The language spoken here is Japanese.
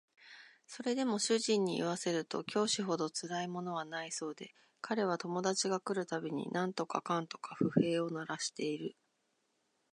それでも主人に言わせると教師ほどつらいものはないそうで彼は友達が来る度に何とかかんとか不平を鳴らしている